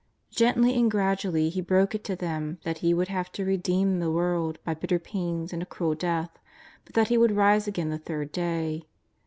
Gently and gradu ally He broke it to them that He would have to redeem the world by bitter pains and a cruel death, but that He would rise again the third day.